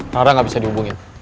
rara gak bisa dihubungin